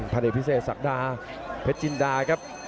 ภัยพิเศษสัปดาห์เพชรจินดาครับ